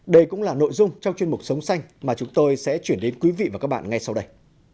đây cũng là nội dung trong chuyên mục sống xanh mà chúng tôi sẽ chuyển đến quý vị và các bạn ngay sau đây